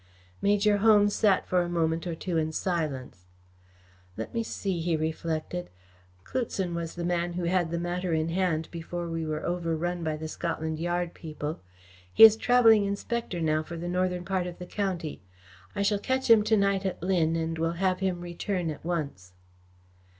Major Holmes sat for a moment or two in silence. "Let me see," he reflected, "Cloutson was the man who had the matter in hand before we were overrun by the Scotland Yard people. He is travelling inspector now for the northern part of the county. I shall catch him to night at Lynn and will have him return at once."